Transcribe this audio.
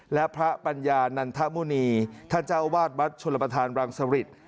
และพระปัญญานันทมุณีท่านเจ้าวาดวัดชลประธานรังสริต